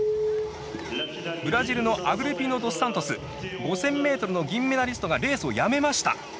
ブラジルのアグリピノドスサントス５０００ｍ銀メダリストがレースをやめました。